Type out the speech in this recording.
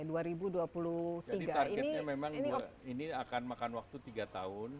jadi targetnya memang ini akan makan waktu tiga tahun